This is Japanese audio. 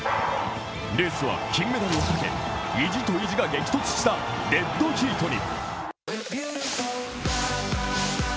レースは金メダルをかけ、意地と意地が激突したデッドヒートに。